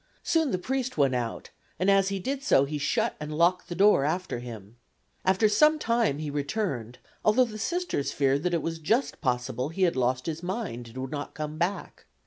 Soon the priest went out and as he did so he shut and locked the door after him. After some time he returned, although the Sisters feared that it was just possible he had lost his mind and would not come back.